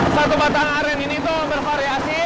satu batang aren ini tuh bervariasi